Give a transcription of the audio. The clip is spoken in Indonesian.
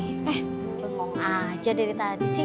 cepung aja dari tadi sih